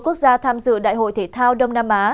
một mươi một quốc gia tham dự đại hội thể thao đông nam á